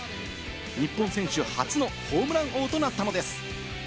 日本選手初のホームラン王となったのです。